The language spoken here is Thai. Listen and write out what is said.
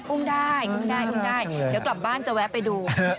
อุ้มได้เดี๋ยวกลับบ้านจะแวะไปดู